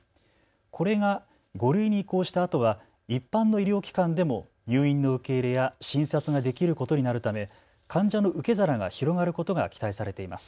これが５類に移行したあとは一般の医療機関でも入院の受け入れや診察ができることになるため患者の受け皿が広がることが期待されています。